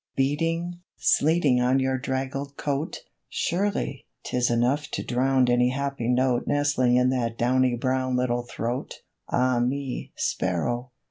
Beating, sleeting on your draggled coat! Surely, 'tis enough to drown Any happy note Nestling in that downy brown Little throat. Ah me, sparrow!